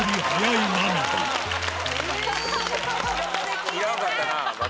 いらんかったな。